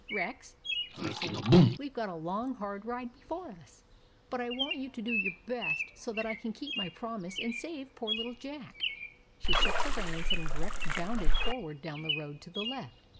" Rex/' she said, " we Ve got a long, hard ride before us ; but I want you to do your best, so that I can keep my promise and save poor little Jack." She shook the reins, and Rex bounded forward down the road to the left.